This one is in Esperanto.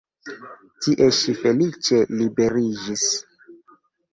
Tie ŝi feliĉe liberiĝis.